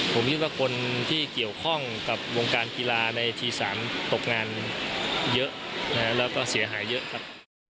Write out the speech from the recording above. ผมคิดว่าคนที่เกี่ยวข้องกับวงการกีฬาในที๓ตกงานเยอะแล้วก็เสียหายเยอะครับ